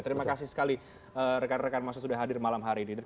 terima kasih sekali rekan rekan mahasiswa sudah hadir malam hari ini